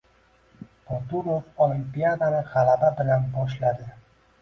Boturov Olimpiadani g‘alaba bilan boshladi